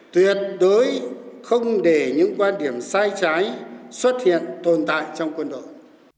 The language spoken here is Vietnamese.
tuyệt đối không để những quan điểm sai trái xuất hiện tồn tại trong quân đội